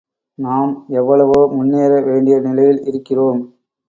நாம் எவ்வளவோ முன்னேற வேண்டிய நிலையில் இருக்கிறோம்.